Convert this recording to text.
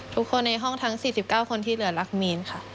ทุกคนในห้องทั้ง๔๙คนที่เหลือรักมีนค่ะ